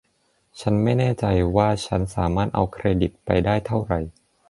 ฉันไม่แน่ใจว่าฉันสามารถเอาเครดิตไปได้เท่าไหร่